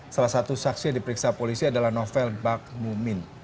salah satu saksi yang diperiksa polisi adalah novel bakmumin ⁇